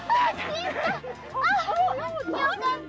あよかった。